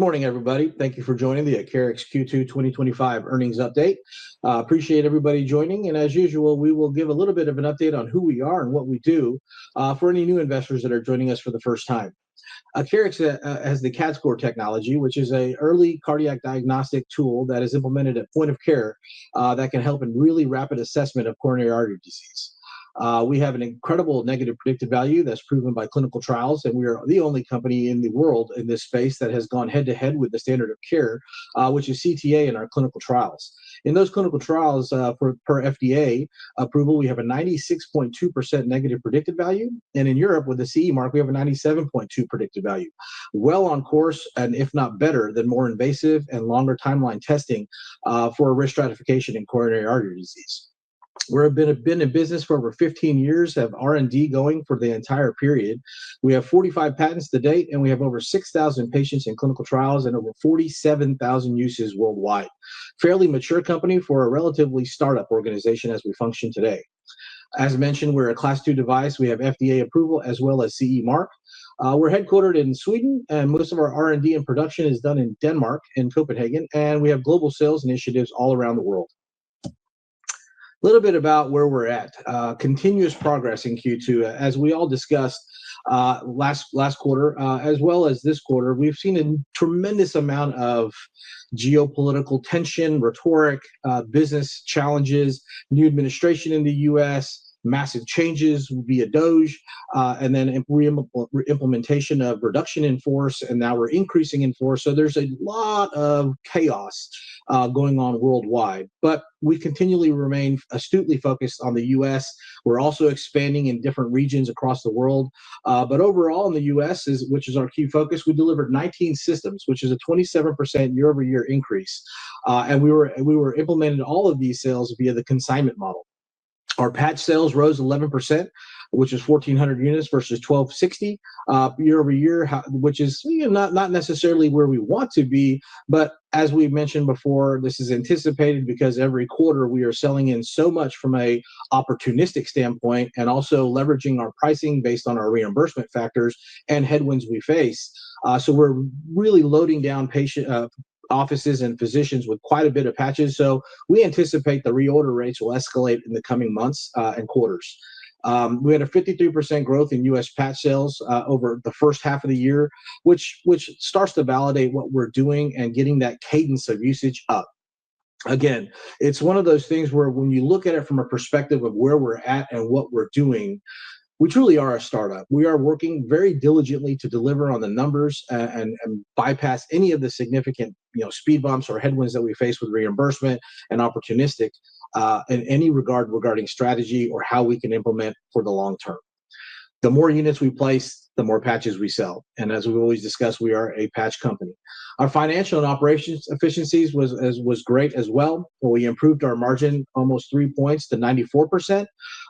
Good morning, everybody. Thank you for joining the Acarix Q2 2025 earnings update. Appreciate everybody joining. As usual, we will give a little bit of an update on who we are and what we do for any new investors that are joining us for the first time. Acarix has the CADScor technology, which is an early cardiac diagnostic tool that is implemented at point of care that can help in really rapid assessment of coronary artery disease. We have an incredible negative predictive value that's proven by clinical trials, and we are the only company in the world in this space that has gone head to head with the standard of care, which is CTA in our clinical trials. In those clinical trials, per FDA approval, we have a 96.2% negative predictive value. In Europe, with the CE Mark, we have a 97.2% predictive value. We are on course, if not better than more invasive and longer timeline testing for risk stratification in coronary artery disease. We've been in business for over 15 years, have R&D going for the entire period. We have 45 patents to date, and we have over 6,000 patients in clinical trials and over 47,000 uses worldwide. Fairly mature company for a relatively startup organization as we function today. As mentioned, we're a Class II device. We have FDA approval as well as CE mark. We're headquartered in Sweden, and most of our R&D and production is done in Denmark, in Copenhagen, and we have global sales initiatives all around the world. A little bit about where we're at. Continuous progress in Q2. As we all discussed last quarter, as well as this quarter, we've seen a tremendous amount of geopolitical tension, rhetoric, business challenges, new administration in the U.S., massive changes via DOGE, and then implementation of reduction in force, and now we're increasing in force. There's a lot of chaos going on worldwide. We continually remain astutely focused on the U.S. We're also expanding in different regions across the world. Overall, in the U.S., which is our key focus, we delivered 19 systems, which is a 27% year-over-year increase. We implemented all of these sales via the consignment model. Our patch sales rose 11%, which is 1,400 units versus 1,260 year-over-year, which is not necessarily where we want to be. As we mentioned before, this is anticipated because every quarter we are selling in so much from an opportunistic standpoint and also leveraging our pricing based on our reimbursement factors and headwinds we face. We're really loading down offices, and physicians with quite a bit of patches. We anticipate the reorder rates will escalate in the coming months and quarters. We had a 53% growth in U.S. patch sales over the first half of the year, which starts to validate what we're doing and getting that cadence of usage up. Again, it's one of those things where when you look at it from a perspective of where we're at and what we're doing, we truly are a startup. We are working very diligently to deliver on the numbers and bypass any of the significant speed bumps or headwinds that we face with reimbursement and opportunistic in any regard regarding strategy or how we can implement for the long term. The more units we place, the more patches we sell. As we always discuss, we are a patch company. Our financial and operations efficiencies were great as well, but we improved our margin almost three points to 94%.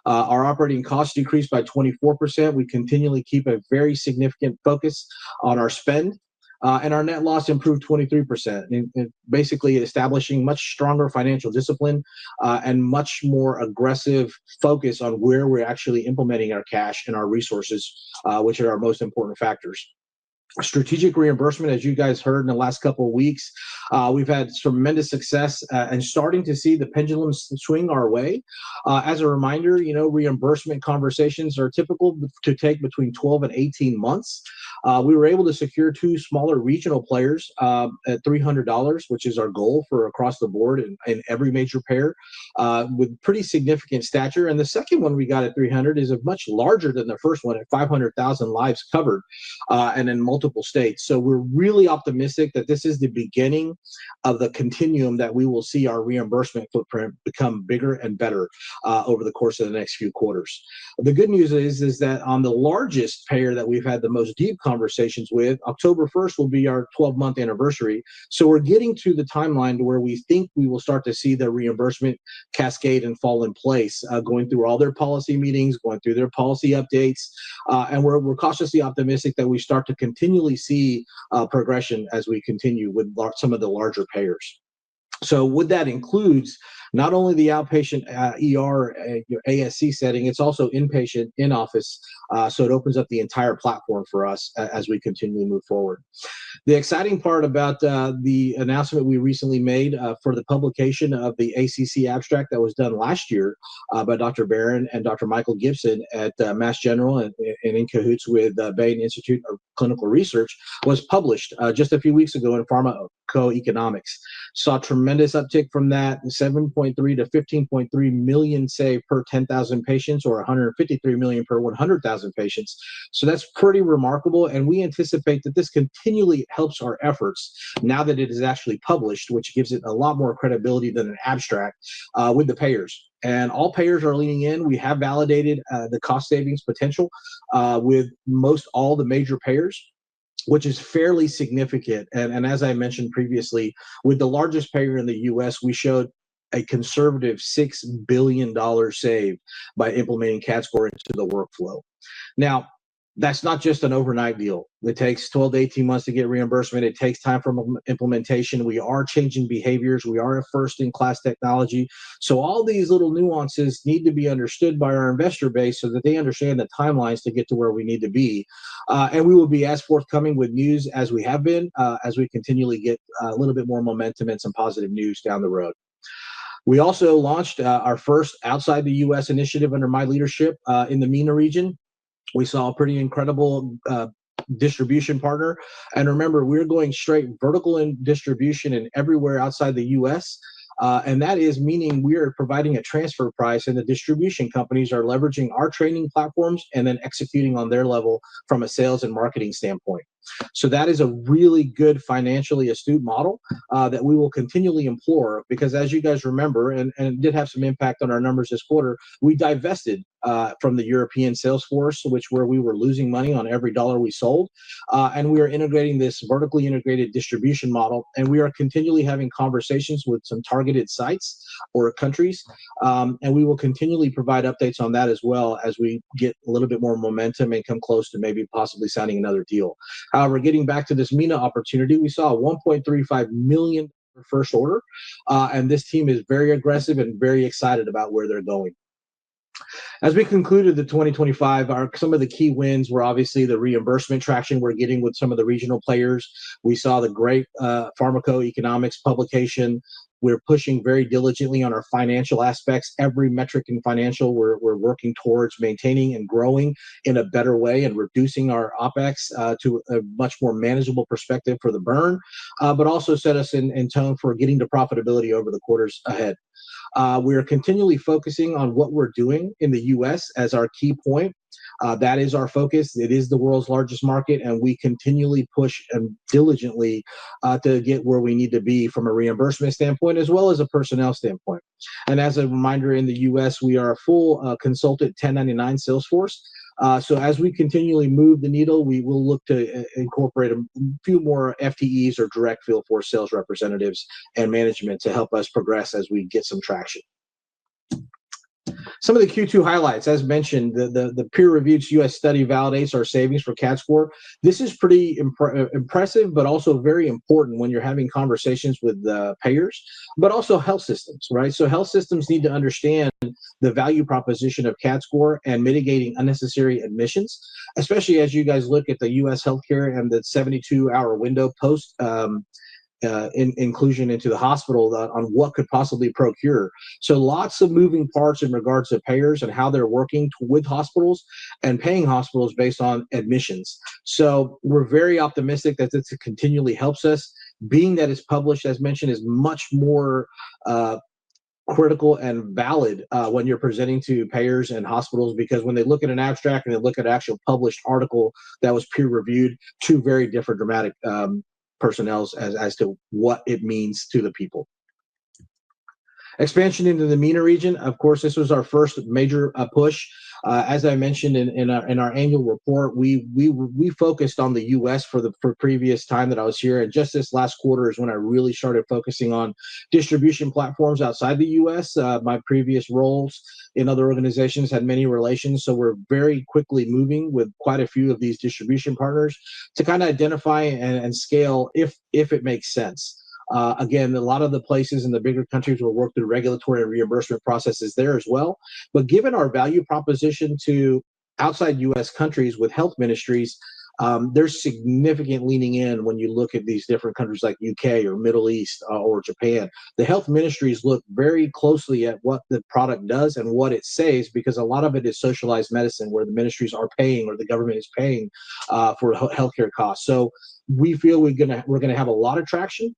Our operating costs decreased by 24%. We continually keep a very significant focus on our spend, and our net loss improved 23%. Basically, establishing much stronger financial discipline and much more aggressive focus on where we're actually implementing our cash and our resources, which are our most important factors. Strategic reimbursement, as you guys heard in the last couple of weeks, we've had tremendous success and starting to see the pendulum swing our way. As a reminder, reimbursement conversations are typical to take between 12 and 18 months. We were able to secure two smaller regional players at $300, which is our goal for across the board in every major payer with pretty significant stature. The second one we got at $300 is much larger than the first one at 500,000 lives covered and in multiple states. We're really optimistic that this is the beginning of the continuum that we will see our reimbursement footprint become bigger and better over the course of the next few quarters. The good news is that on the largest payer that we've had the most deep conversations with, October 1st will be our 12-month anniversary. We're getting to the timeline to where we think we will start to see the reimbursement cascade and fall in place, going through all their policy meetings, going through their policy updates. We're cautiously optimistic that we start to continually see progression as we continue with some of the larger payers. What that includes, not only the outpatient, ER, ASC setting, it's also inpatient, in-office. It opens up the entire platform for us as we continue to move forward. The exciting part about the announcement we recently made for the publication of the ACC abstract that was done last year by Dr. Baron and Dr. Michael Gibson at Mass General and in cahoots with the Baim Institute for Clinical Research was published just a few weeks ago in PharmacoEconomics. Saw tremendous uptick from that, $7.3 million-$15.3 million saved per 10,000 patients or $153 million per 100,000 patients. That's pretty remarkable. We anticipate that this continually helps our efforts now that it is actually published, which gives it a lot more credibility than an abstract with the payers. All payers are leaning in. We have validated the cost savings potential with most all the major payers, which is fairly significant. As I mentioned previously, with the largest payer in the U.S., we showed a conservative $6 billion saved by implementing CADScor into the workflow. That's not just an overnight deal. It takes 12-18 months to get reimbursement. It takes time for implementation. We are changing behaviors. We are a first-in-class technology. All these little nuances need to be understood by our investor base so that they understand the timelines to get to where we need to be. We will be as forthcoming with news as we have been as we continually get a little bit more momentum and some positive news down the road. We also launched our first outside the U.S. initiative under my leadership in the MENA region. We saw a pretty incredible distribution partner. Remember, we're going straight vertical in distribution and everywhere outside the U.S. That is meaning we are providing a transfer price and the distribution companies are leveraging our training platforms and then executing on their level from a sales and marketing standpoint. That is a really good financially astute model that we will continually employ because as you guys remember, and did have some impact on our numbers this quarter, we divested from the European sales force, where we were losing money on every dollar we sold. We are integrating this vertically integrated distribution model. We are continually having conversations with some targeted sites or countries. We will continually provide updates on that as well as we get a little bit more momentum and come close to maybe possibly signing another deal. However, getting back to this MENA opportunity, we saw a $1.35 million first order. This team is very aggressive and very excited about where they're going. As we concluded 2025, some of the key wins were obviously the reimbursement traction we're getting with some of the regional players. We saw the great PharmacoEconomics publication. We're pushing very diligently on our financial aspects. Every metric in financial, we're working towards maintaining and growing in a better way and reducing our OpEx to a much more manageable perspective for the burn, but also set us in tone for getting to profitability over the quarters ahead. We are continually focusing on what we're doing in the U.S. as our key point. That is our focus. It is the world's largest market. We continually push diligently to get where we need to be from a reimbursement standpoint as well as a personnel standpoint. As a reminder, in the U.S., we are a full consultant 1099 sales force. As we continually move the needle, we will look to incorporate a few more FTEs or direct field force sales representatives and management to help us progress as we get some traction. Some of the Q2 highlights, as mentioned, the peer-reviewed U.S. study validates our savings for CADScor. This is pretty impressive, but also very important when you're having conversations with the payers, but also health systems, right? Health systems need to understand the value proposition of CADScor and mitigating unnecessary admissions, especially as you guys look at the U.S. healthcare and the 72-hour window post-inclusion into the hospital on what could possibly procure. Lots of moving parts in regards to payers and how they're working with hospitals and paying hospitals based on admissions. We are very optimistic that this continually helps us, being that it's published, as mentioned, is much more critical and valid when you're presenting to payers and hospitals because when they look at an abstract and they look at an actual published article that was peer-reviewed, two very different dramatic personnels as to what it means to the people. Expansion into the MENA region, of course, this was our first major push. As I mentioned in our annual report, we focused on the U.S. for the previous time that I was here. This last quarter is when I really started focusing on distribution platforms outside the U.S. My previous roles in other organizations had many relations. We're very quickly moving with quite a few of these distribution partners to identify and scale if it makes sense. A lot of the places in the bigger countries will work through regulatory and reimbursement processes there as well. Given our value proposition to outside U.S. countries with health ministries, there's significant leaning in when you look at these different countries like the U.K., the Middle East, or Japan. The health ministries look very closely at what the product does and what it saves because a lot of it is socialized medicine where the ministries are paying or the government is paying for healthcare costs. We feel we're going to have a lot of traction.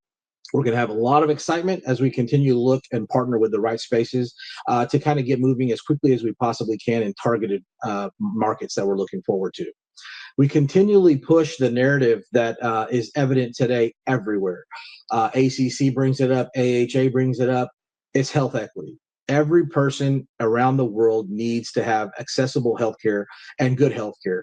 We're going to have a lot of excitement as we continue to look and partner with the right spaces to get moving as quickly as we possibly can in targeted markets that we're looking forward to. We continually push the narrative that is evident today everywhere. ACC brings it up. AHA brings it up. It's health equity. Every person around the world needs to have accessible healthcare and good healthcare.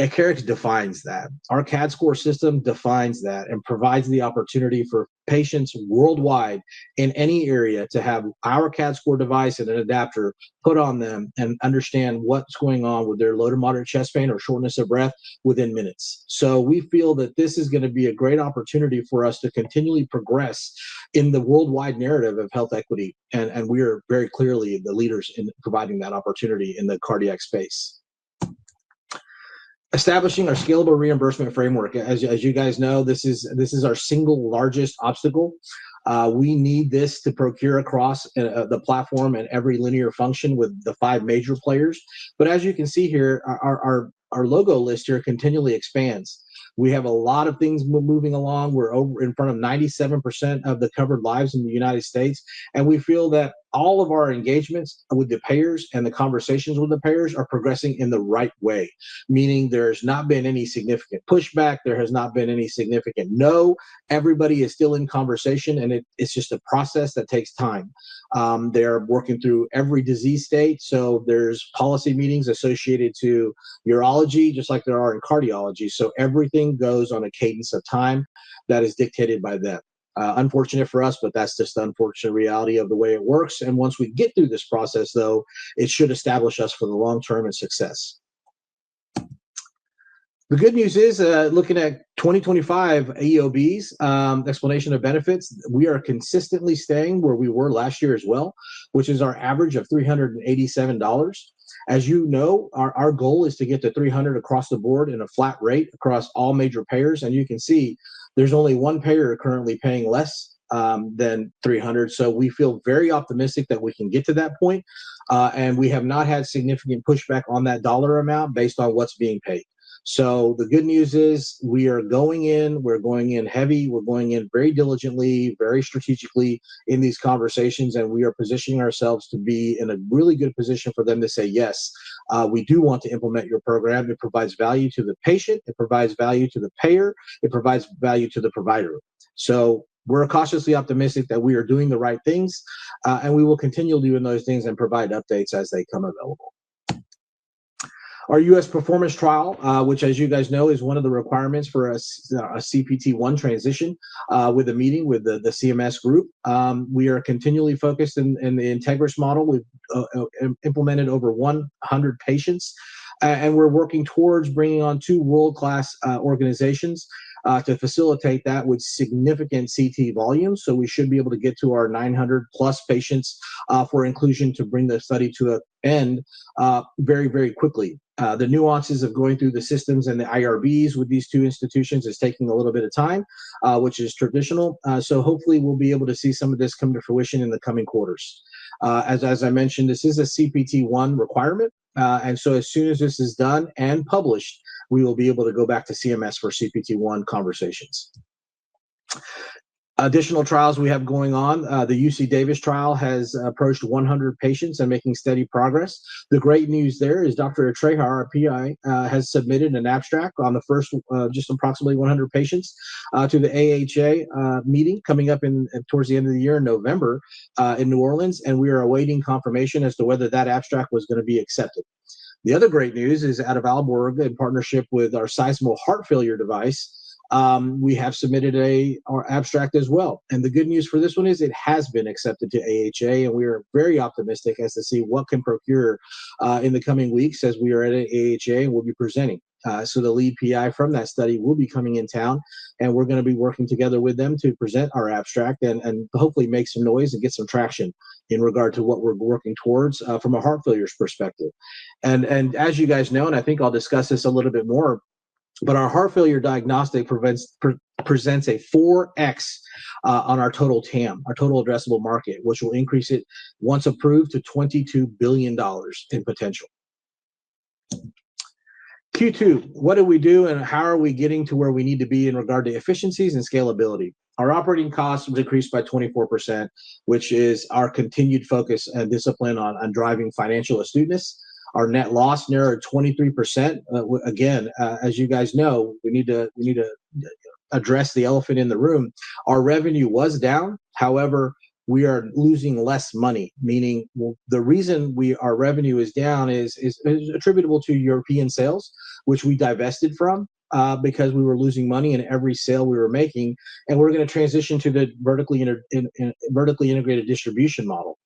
Acarix defines that. Our CADScor System defines that and provides the opportunity for patients worldwide in any area to have our CADScor device and an adapter put on them and understand what's going on with their low to moderate chest pain or shortness of breath within minutes. We feel that this is going to be a great opportunity for us to continually progress in the worldwide narrative of health equity. We are very clearly the leaders in providing that opportunity in the cardiac space. Establishing our scalable reimbursement framework, as you guys know, this is our single largest obstacle. We need this to procure across the platform and every linear function with the five major players. As you can see here, our logo list continually expands. We have a lot of things moving along. We're in front of 97% of the covered lives in the United States. We feel that all of our engagements with the payers and the conversations with the payers are progressing in the right way, meaning there's not been any significant pushback. There has not been any significant no. Everybody is still in conversation. It's just a process that takes time. They're working through every disease state. There are policy meetings associated to urology, just like there are in cardiology. Everything goes on a cadence of time that is dictated by them. Unfortunate for us, but that's just the unfortunate reality of the way it works. Once we get through this process, though, it should establish us for the long term and success. The good news is looking at 2025 EOBs, explanation of benefits, we are consistently staying where we were last year as well, which is our average of $387. As you know, our goal is to get to $300 across the board in a flat rate across all major payers. You can see there's only one payer currently paying less than $300. We feel very optimistic that we can get to that point. We have not had significant pushback on that dollar amount based on what's being paid. The good news is we are going in. We're going in heavy. We're going in very diligently, very strategically in these conversations. We are positioning ourselves to be in a really good position for them to say, yes, we do want to implement your program. It provides value to the patient. It provides value to the payer. It provides value to the provider. We're cautiously optimistic that we are doing the right things. We will continue doing those things and provide updates as they come available. Our U.S. performance trial, which as you guys know, is one of the requirements for a CPT-1 transition with a meeting with the CMS group. We are continually focused in the Integris model. We've implemented over 100 patients. We're working towards bringing on two world-class organizations to facilitate that with significant CT volume. We should be able to get to our 900+ patients for inclusion to bring the study to an end very, very quickly. The nuances of going through the systems and the IRBs with these two institutions is taking a little bit of time, which is traditional. Hopefully, we'll be able to see some of this come to fruition in the coming quarters. As I mentioned, this is a CPT-1 requirement. As soon as this is done and published, we will be able to go back to CMS for CPT-1 conversations. Additional trials we have going on. The UC Davis trial has approached 100 patients and making steady progress. The great news there is Dr. Atreja, our PI, has submitted an abstract on the first just approximately 100 patients to the AHA meeting coming up towards the end of the year in November in New Orleans. We are awaiting confirmation as to whether that abstract was going to be accepted. The other great news is out of Aalborg in partnership with our sizable heart failure device, we have submitted an abstract as well. The good news for this one is it has been accepted to AHA. We are very optimistic as to see what can procure in the coming weeks as we are at the AHA and will be presenting. The lead PI from that study will be coming in town. We are going to be working together with them to present our abstract and hopefully make some noise and get some traction in regard to what we're working towards from a heart failure perspective. As you guys know, and I think I'll discuss this a little bit more, our heart failure diagnostic presents a 4x on our total TAM, our total addressable market, which will increase it once approved to $22 billion in potential. Q2, what do we do and how are we getting to where we need to be in regard to efficiencies and scalability? Our operating costs have decreased by 24%, which is our continued focus and discipline on driving financial astuteness. Our net loss narrowed 23%. As you guys know, we need to address the elephant in the room. Our revenue was down. However, we are losing less money, meaning the reason our revenue is down is attributable to European sales, which we divested from because we were losing money in every sale we were making. We are going to transition to the vertically integrated distribution model.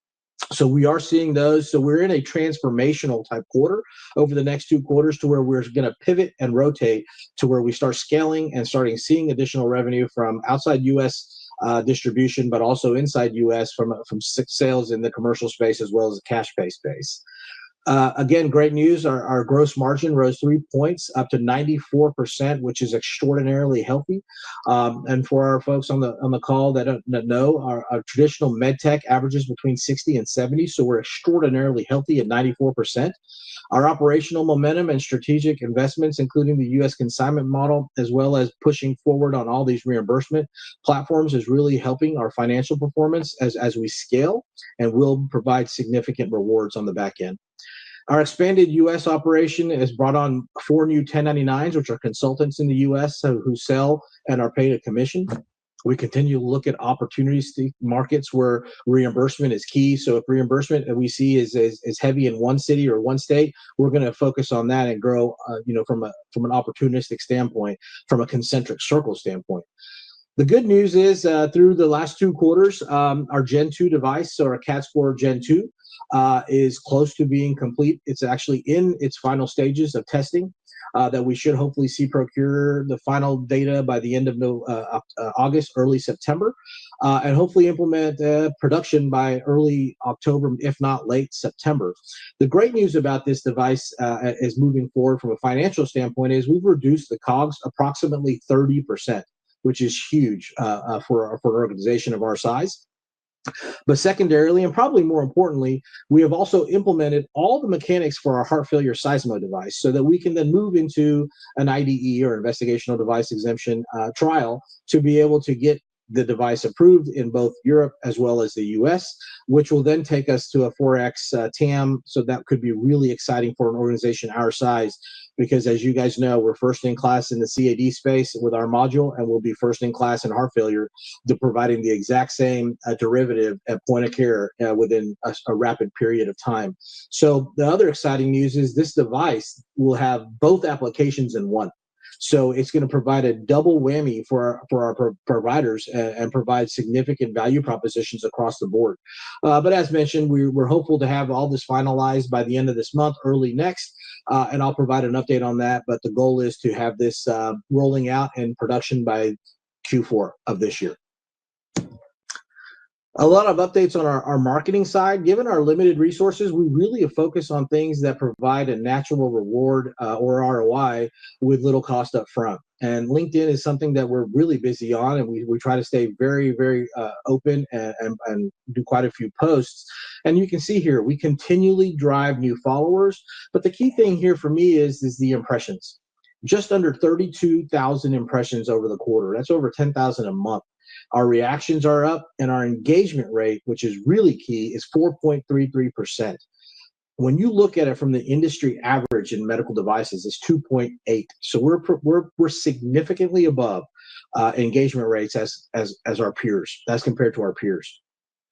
We are seeing those. We are in a transformational type quarter over the next two quarters to where we're going to pivot and rotate to where we start scaling and starting seeing additional revenue from outside U.S. distribution, but also inside U.S. from sales in the commercial space as well as the cash pay space. Great news. Our gross margin rose three points up to 94%, which is extraordinarily healthy. For our folks on the call that don't know, our traditional med tech averages between 60% and 70%. We are extraordinarily healthy at 94%. Our operational momentum and strategic investments, including the U.S. consignment model, as well as pushing forward on all these reimbursement platforms, is really helping our financial performance as we scale and will provide significant rewards on the back end. Our expanded U.S. operation has brought on four new 1099s, which are consultants in the U.S. who sell and are paid a commission. We continue to look at opportunistic markets where reimbursement is key. If reimbursement we see is heavy in one city or one state, we're going to focus on that and grow from an opportunistic standpoint, from a concentric circle standpoint. The good news is through the last two quarters, our Gen-2 device, so our CADScor Gen-2, is close to being complete. It's actually in its final stages of testing that we should hopefully see procure the final data by the end of August, early September, and hopefully implement production by early October, if not late September. The great news about this device as moving forward from a financial standpoint is we've reduced the cost of goods sold approximately 30%, which is huge for an organization of our size. Secondarily, and probably more importantly, we have also implemented all the mechanics for our heart failure seismo device so that we can then move into an IDE or an investigational device exemption trial to be able to get the device approved in both Europe as well as the U.S., which will then take us to a 4x TAM. That could be really exciting for an organization our size because as you guys know, we're first-in-class in the CAD space with our module, and we'll be first-in-class in heart failure, providing the exact same derivative at point-of-care within a rapid period of time. The other exciting news is this device will have both applications in one. It's going to provide a double whammy for our providers and provide significant value propositions across the board. As mentioned, we're hopeful to have all this finalized by the end of this month, early next. I'll provide an update on that. The goal is to have this rolling out and production by Q4 of this year. A lot of updates on our marketing side. Given our limited resources, we really have focused on things that provide a natural reward or ROI with little cost up front. LinkedIn is something that we're really busy on. We try to stay very, very open and do quite a few posts. You can see here, we continually drive new followers. The key thing here for me is the impressions. Just under 32,000 impressions over the quarter. That's over 10,000 a month. Our reactions are up. Our engagement rate, which is really key, is 4.33%. When you look at it from the industry average in medical devices, it's 2.8%. We're significantly above engagement rates as compared to our peers.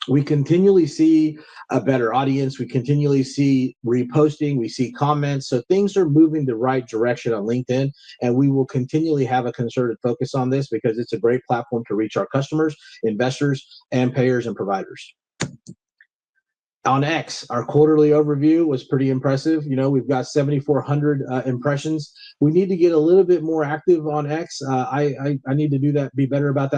We continually see a better audience. We continually see reposting. We see comments. Things are moving the right direction on LinkedIn. We will continually have a concerted focus on this because it's a great platform to reach our customers, investors, and payers and providers. On X, our quarterly overview was pretty impressive. We've got 7,400 impressions. We need to get a little bit more active on X. I need to do that, be better about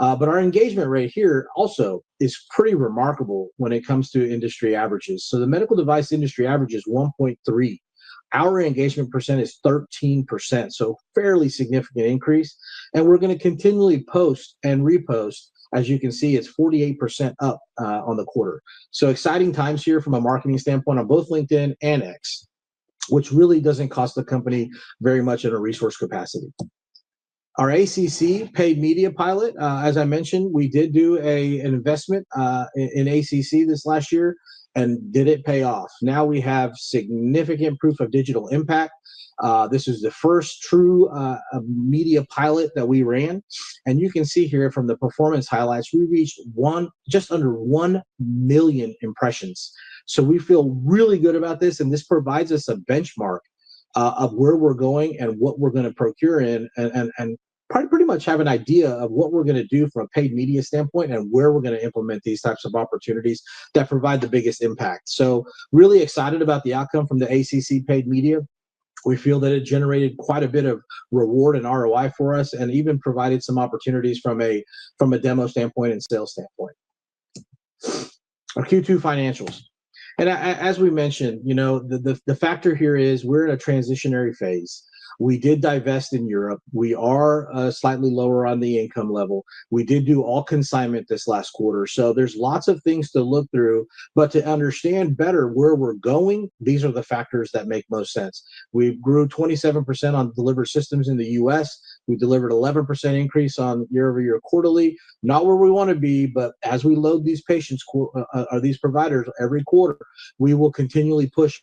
that myself. Our engagement rate here also is pretty remarkable when it comes to industry averages. The medical device industry average is 1.3%. Our engagement percent is 13%. A fairly significant increase. We're going to continually post and repost. It's 48% up on the quarter. Exciting times here from a marketing standpoint on both LinkedIn and X, which really doesn't cost the company very much in a resource capacity. Our ACC paid media pilot, as I mentioned, we did do an investment in ACC this last year and did it pay off. Now we have significant proof of digital impact. This is the first true media pilot that we ran. You can see here from the performance highlights, we reached just under 1 million impressions. We feel really good about this. This provides us a benchmark of where we're going and what we're going to procure in and pretty much have an idea of what we're going to do from a paid media standpoint and where we're going to implement these types of opportunities that provide the biggest impact. Really excited about the outcome from the ACC paid media. We feel that it generated quite a bit of reward and ROI for us and even provided some opportunities from a demo standpoint and sales standpoint. Our Q2 financials. As we mentioned, the factor here is we're in a transitionary phase. We did divest in Europe. We are slightly lower on the income level. We did do all consignment this last quarter. There's lots of things to look through. To understand better where we're going, these are the factors that make most sense. We grew 27% on delivered systems in the U.S. We delivered an 11% increase on year-over-year quarterly. Not where we want to be, but as we load these providers every quarter, we will continually push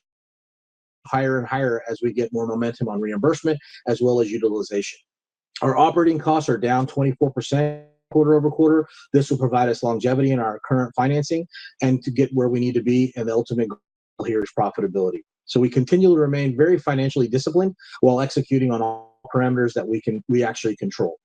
higher and higher as we get more momentum on reimbursement as well as utilization. Our operating costs are down 24% quarter-over-quarter. This will provide us longevity in our current financing and to get where we need to be. The ultimate goal here is profitability. We continue to remain very financially disciplined while executing on all parameters that we can actually control.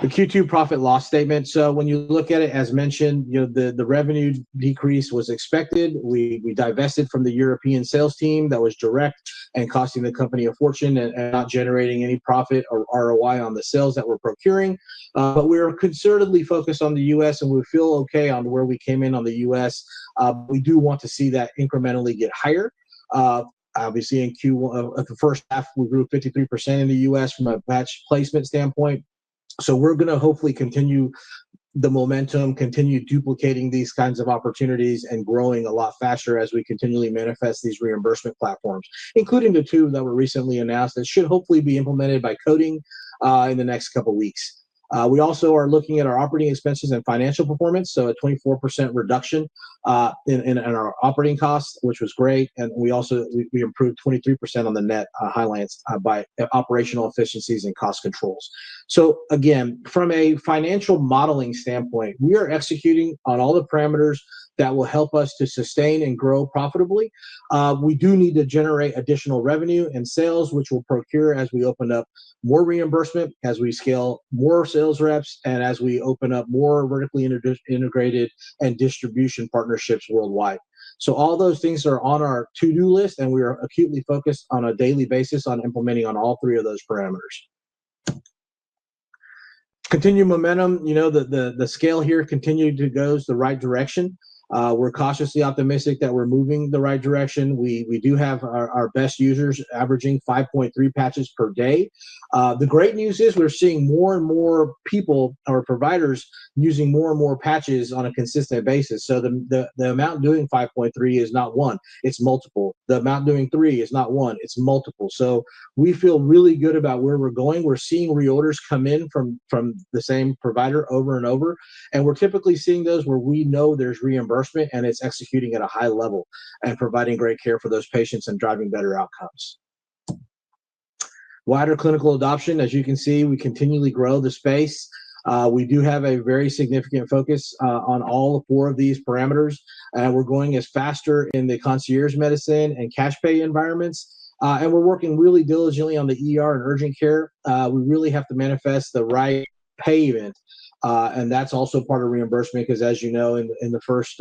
The Q2 profit loss statement, when you look at it, as mentioned, the revenue decrease was expected. We divested from the European sales team that was direct and costing the company a fortune and not generating any profit or ROI on the sales that we're procuring. We are concertedly focused on the U.S., and we feel okay on where we came in on the U.S. We do want to see that incrementally get higher. Obviously, in the first half, we grew 53% in the U.S. from a patch placement standpoint. We are going to hopefully continue the momentum, continue duplicating these kinds of opportunities, and growing a lot faster as we continually manifest these reimbursement platforms, including the two that were recently announced that should hopefully be implemented by coding in the next couple of weeks. We also are looking at our operating expenses and financial performance. A 24% reduction in our operating costs was great, and we also improved 23% on the net highlights by operational efficiencies and cost controls. Again, from a financial modeling standpoint, we are executing on all the parameters that will help us to sustain and grow profitably. We do need to generate additional revenue and sales, which we'll procure as we open up more reimbursement, as we scale more sales reps, and as we open up more vertically integrated and distribution partnerships worldwide. All those things are on our to-do list, and we are acutely focused on a daily basis on implementing on all three of those parameters. Continued momentum. The scale here continues to go the right direction. We're cautiously optimistic that we're moving the right direction. We do have our best users averaging 5.3 patches per day. The great news is we're seeing more and more people or providers using more and more patches on a consistent basis. The amount doing 5.3 is not one. It's multiple. The amount doing three is not one. It's multiple. We feel really good about where we're going. We're seeing reorders come in from the same provider over and over, and we're typically seeing those where we know there's reimbursement and it's executing at a high level and providing great care for those patients and driving better outcomes. Wider clinical adoption. As you can see, we continually grow the space. We do have a very significant focus on all four of these parameters. We're going faster in the concierge medicine and cash pay environments. We're working really diligently on the ER, urgent care. We really have to manifest the right [payment]. That's also part of reimbursement because, as you know, in the first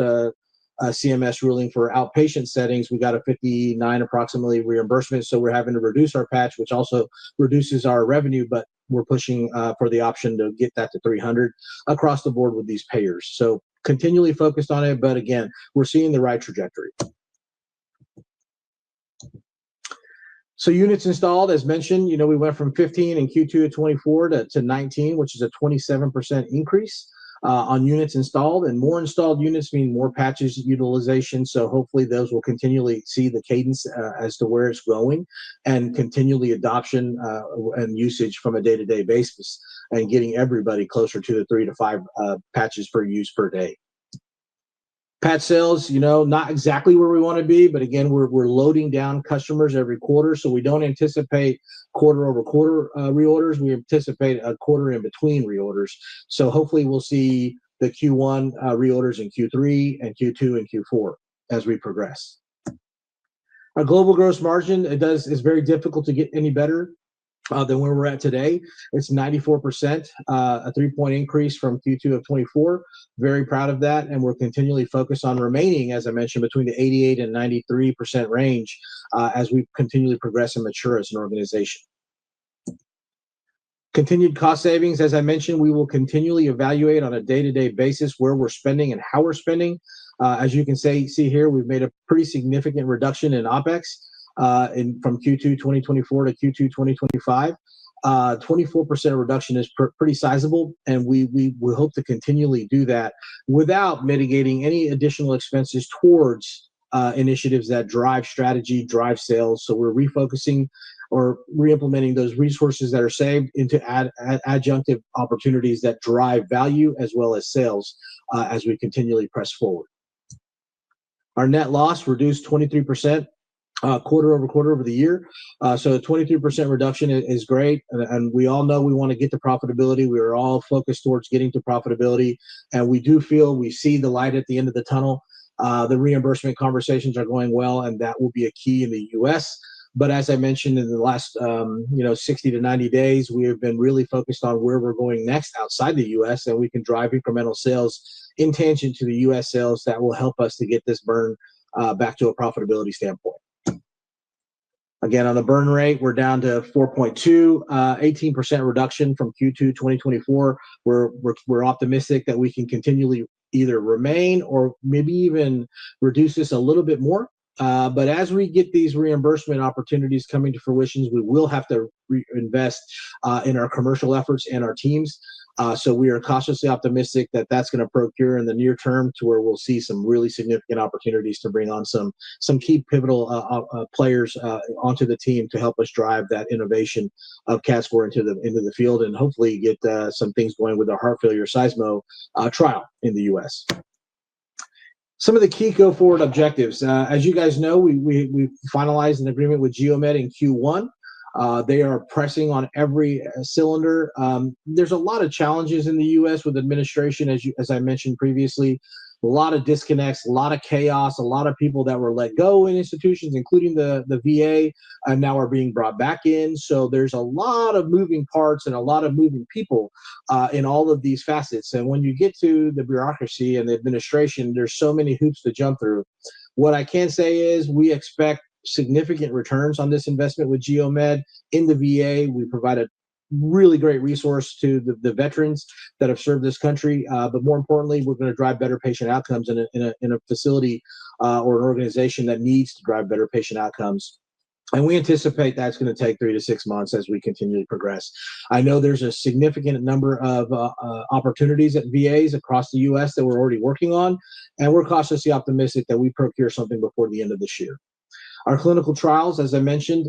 CMS ruling for outpatient settings, we got a 59, approximately, reimbursement. We're having to reduce our patch, which also reduces our revenue. We're pushing for the option to get that to 300 across the board with these payers. Continually focused on it. Again, we're seeing the right trajectory. Units installed, as mentioned, we went from 15 in Q2 2024 to 19, which is a 27% increase on units installed. More installed units mean more patches utilization. Hopefully, those will continually see the cadence as to where it's going and continual adoption and usage from a day-to-day basis and getting everybody closer to the three to five patches for use per day. Patch sales, not exactly where we want to be. Again, we're loading down customers every quarter. We don't anticipate quarter-over-quarter reorders. We anticipate a quarter-in-between reorders. Hopefully, we'll see the Q1 reorders in Q3 and Q2 and Q4 as we progress. Our global gross margin, it's very difficult to get any better than where we're at today. It's 94%, a three-point increase from Q2 of 2024. Very proud of that. We're continually focused on remaining, as I mentioned, between the 88% and 93% range as we continually progress and mature as an organization. Continued cost savings, as I mentioned, we will continually evaluate on a day-to-day basis where we're spending and how we're spending. As you can see here, we've made a pretty significant reduction in OpEx from Q2 2024-Q2 2025. A 24% reduction is pretty sizable. We hope to continually do that without mitigating any additional expenses towards initiatives that drive strategy, drive sales. We're refocusing or reimplementing those resources that are saved into adjunctive opportunities that drive value as well as sales as we continually press forward. Our net loss reduced 23% quarter-over-quarter over the year. A 23% reduction is great. We all know we want to get to profitability. We are all focused towards getting to profitability. We do feel we see the light at the end of the tunnel. The reimbursement conversations are going well. That will be a key in the U.S. As I mentioned, in the last 60-90 days, we have been really focused on where we're going next outside the U.S. We can drive incremental sales in addition to the U.S. sales that will help us to get this burn back to a profitability standpoint. Again, on the burn rate, we're down to $4.2 million, 18% reduction from Q2 2024. We're optimistic that we can continually either remain or maybe even reduce this a little bit more. As we get these reimbursement opportunities coming to fruition, we will have to reinvest in our commercial efforts and our teams. We are cautiously optimistic that that's going to procure in the near term to where we'll see some really significant opportunities to bring on some key pivotal players onto the team to help us drive that innovation of CADScor into the field and hopefully get some things going with the heart failure seismo trial in the U.S. Some of the key go-forward objectives. As you know, we finalized an agreement with Geo-Med in Q1. They are pressing on every cylinder. There are a lot of challenges in the U.S. with administration, as I mentioned previously. There are a lot of disconnects, a lot of chaos, a lot of people that were let go in institutions, including the VA, and now are being brought back in. There are a lot of moving parts and a lot of moving people in all of these facets. When you get to the bureaucracy and the administration, there are so many hoops to jump through. What I can say is we expect significant returns on this investment with Geo-Med in the VA. We provide a really great resource to the veterans that have served this country. More importantly, we're going to drive better patient outcomes in a facility or an organization that needs to drive better patient outcomes. We anticipate that's going to take three to six months as we continue to progress. I know there's a significant number of opportunities at VAs across the U.S. that we're already working on. We're cautiously optimistic that we procure something before the end of this year. Our clinical trials, as I mentioned,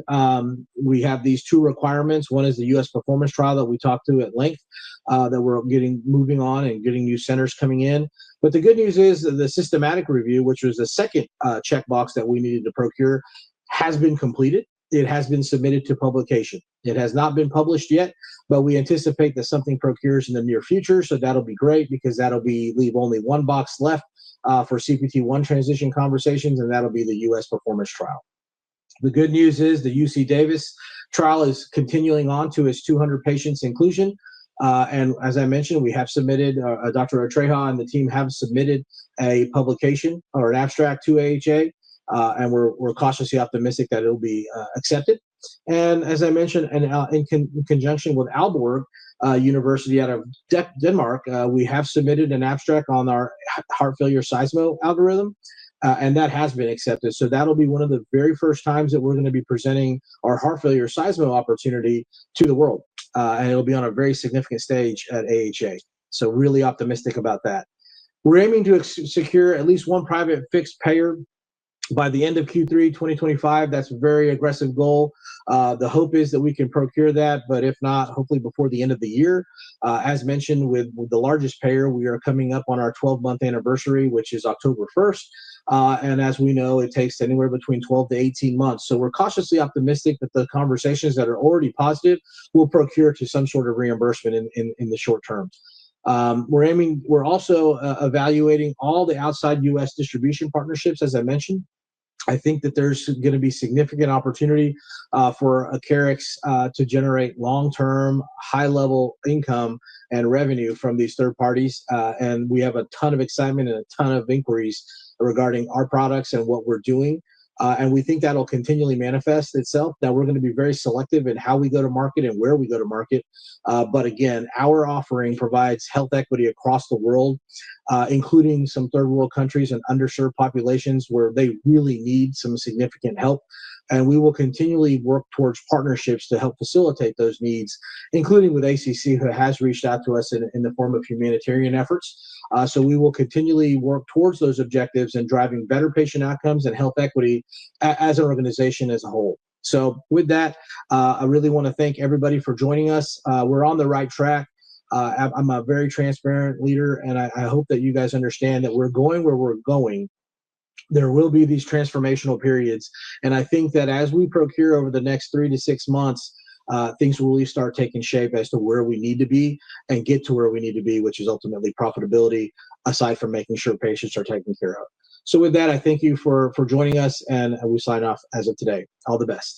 we have these two requirements. One is the U.S. performance trial that we talked to at length that we're getting moving on and getting new centers coming in. The good news is that the systematic review, which was the second checkbox that we needed to procure, has been completed. It has been submitted to publication. It has not been published yet. We anticipate that something procures in the near future. That'll be great because that'll leave only one box left for CPT-1 transition conversations, and that'll be the U.S. performance trial. The good news is the UC Davis trial is continuing on to its 200 patients inclusion. As I mentioned, Dr. Atreja and the team have submitted a publication or an abstract to AHA, and we're cautiously optimistic that it'll be accepted. As I mentioned, in conjunction with Aalborg University out of Denmark, we have submitted an abstract on our heart failure seismo algorithm, and that has been accepted. That'll be one of the very first times that we're going to be presenting our heart failure seismo opportunity to the world, and it'll be on a very significant stage at AHA. We're really optimistic about that. We're aiming to secure at least one private fixed payer by the end of Q3 2025. That's a very aggressive goal. The hope is that we can procure that, but if not, hopefully before the end of the year. As mentioned, with the largest payer, we are coming up on our 12-month anniversary, which is October 1st. As we know, it takes anywhere between 12-18 months. We're cautiously optimistic that the conversations that are already positive will procure to some sort of reimbursement in the short term. We're also evaluating all the outside U.S. distribution partnerships, as I mentioned. I think that there's going to be significant opportunity for Acarix to generate long-term, high-level income and revenue from these third parties. We have a ton of excitement and a ton of inquiries regarding our products and what we're doing. We think that'll continually manifest itself, and we're going to be very selective in how we go to market and where we go to market. Our offering provides health equity across the world, including some third-world countries and underserved populations where they really need some significant help. We will continually work towards partnerships to help facilitate those needs, including with ACC, who has reached out to us in the form of humanitarian efforts. We will continually work towards those objectives and driving better patient outcomes and health equity as an organization as a whole. With that, I really want to thank everybody for joining us. We're on the right track. I'm a very transparent leader, and I hope that you guys understand that we're going where we're going. There will be these transformational periods. I think that as we procure over the next three to six months, things will really start taking shape as to where we need to be and get to where we need to be, which is ultimately profitability, aside from making sure patients are taken care of. With that, I thank you for joining us. We sign off as of today. All the best.